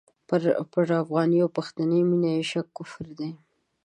پر افغاني او پښتني مینه یې شک کفر دی.